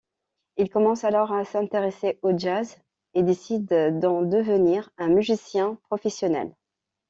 Il commence alors à s'intéresser au jazz et décide d'en devenir un musicien professionnel.